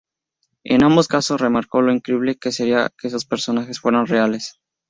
En ambos casos remarcó lo increíble que sería que esos personajes fueran reales.